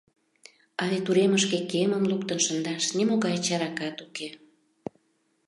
А вет уремышке кемым луктын шындаш нимогай чаракат уке.